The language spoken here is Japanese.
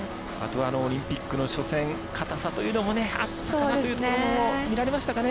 オリンピックの初戦硬さというのもあったかなというところも見られましたかね。